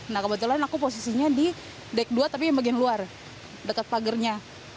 nah kebetulan aku posisinya di deck dua tapi yang bagian luar dekat pagarnya